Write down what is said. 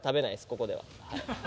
ここでは。